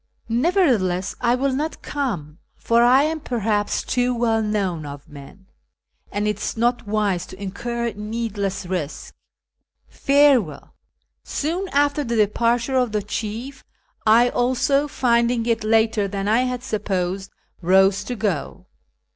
Nevertheless, I will not 212 A YEAR AMONGST THE PERSIANS come, for I am perhaps too well known of men, and it is not wise to incur needless risk. Farewell !" Soon after tlie departure of the chief, 1 also, Jhulin, if it later than I had supposed, rose to go.